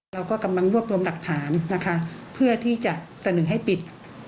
เราก็กำลังรวบรวมหลักฐานนะคะเพื่อที่จะเสนอให้ปิด